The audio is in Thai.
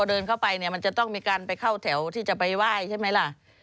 เดินเข้าไปเนี่ยมันจะต้องมีการไปเข้าแถวที่จะไปไหว้ใช่ไหมล่ะ